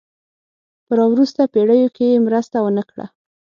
په را وروسته پېړیو کې یې مرسته ونه کړه.